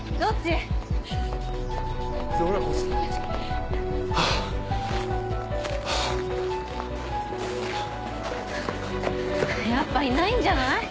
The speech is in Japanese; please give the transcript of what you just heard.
やっぱいないんじゃない？